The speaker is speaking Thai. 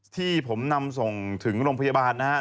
ที่ผมนำส่งถึงโรงพยาบาลนะครับ